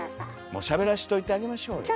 もうしゃべらしといてあげましょうよ。